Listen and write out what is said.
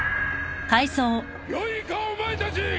よいかお前たち！